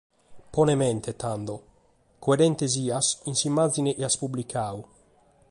Pone mente, tando: coerente sias cun s’immàgine chi as publicadu.